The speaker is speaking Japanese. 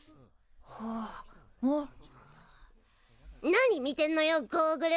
何見てんのよゴーグル。